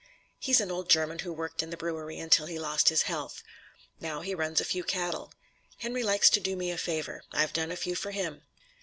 He's an old German who worked in the brewery until he lost his health. Now he runs a few cattle. Henry likes to do me a favor. I've done a few for him."